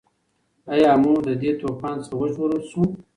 ایا موږ له دې طوفان څخه وژغورل شوو؟